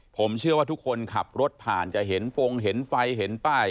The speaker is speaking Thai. ผมเชื่อว่าทุกคนขับรถผ่านจะเห็นฟงเห็นไฟเห็นป้าย